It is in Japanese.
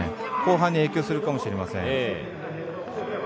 後半に影響するかもしれません。